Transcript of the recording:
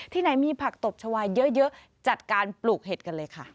ไหนมีผักตบชาวาเยอะจัดการปลูกเห็ดกันเลยค่ะ